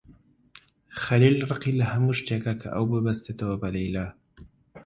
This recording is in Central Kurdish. خەلیل ڕقی لە هەموو شتێکە کە ئەو ببەستێتەوە بە لەیلا.